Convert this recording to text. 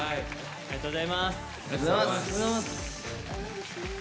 ありがとうございます。